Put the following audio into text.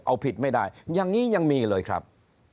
เอาผิดไม่ได้อย่างนี้ยังมีเลยครับ